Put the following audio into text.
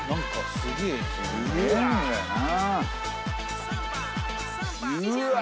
すげえんだよなうわっ！